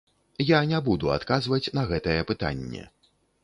Я не буду адказваць на гэтае пытанне.